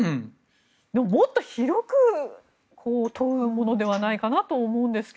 もっと広く問うものではないかと思うんですが